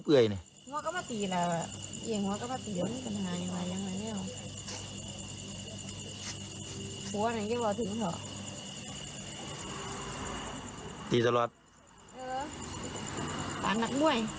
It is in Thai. พอเนี่ยพวกผมไม่ได้มาดบุญ